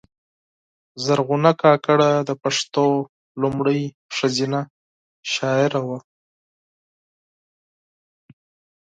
زرغونه کاکړه د پښتو لومړۍ ښځینه شاعره وه